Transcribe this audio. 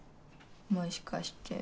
もしかして。